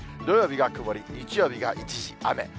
土曜日が曇り、日曜日が一時雨。